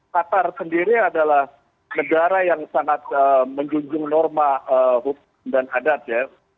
qatar sendiri adalah negara yang sangat menjunjung norma dan adat ya